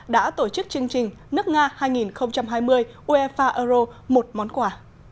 đã tổ chức chương trình nước nga hai nghìn hai mươi uefa euro một món quà